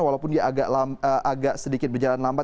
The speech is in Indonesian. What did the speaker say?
walaupun dia agak sedikit berjalan lambat